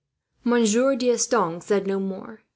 Monsieur D'Estanges said no more.